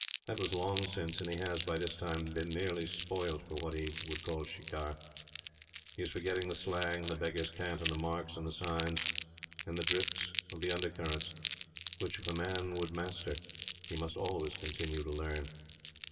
That was long since, and he has, by this time, been nearly spoilt for what he would call shikar. He is forgetting the slang, and the beggar's cant, and the marks, and the signs, and the drift of the undercurrents, which, if a man would master, he must always continue to learn.